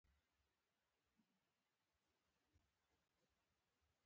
د فطر صدقه پر بل چا حرامه ده.